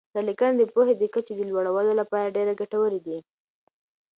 دا لیکنې د پوهې د کچې د لوړولو لپاره ډېر ګټورې دي.